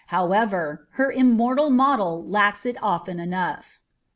However, her immortal model lacks it often enough."